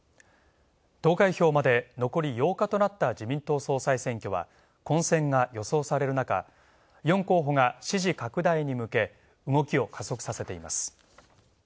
投開票まで残り８日となった、自民党総裁選挙は混戦が予想される中、４候補が支持拡大に向け動きを加速させています